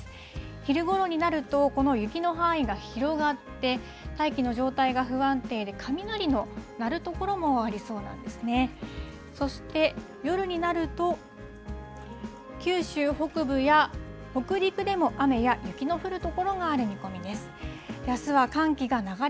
昼ごろになると、この雪の範囲が広がって、大気の状態が不安定で雷の鳴る所もありそうなんですね。